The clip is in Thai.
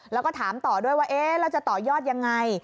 แล้วก็ถามต่อด้วยว่าเอ๊ะแล้วจะต่อยอดยังไง